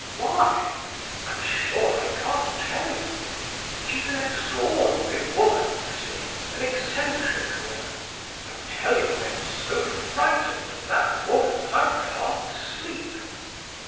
Why? I'm sure I can't tell you. She's an extraordinary woman, you see, an eccentric woman; I tell you I am so frightened of that woman that I can't sleep.